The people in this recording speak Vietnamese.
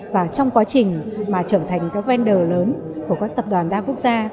và trong quá trình mà trở thành các vender lớn của các tập đoàn đa quốc gia